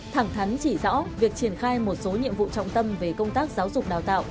thẳng thắn chỉ rõ việc triển khai một số nhiệm vụ trọng tâm về công tác giáo dục đào tạo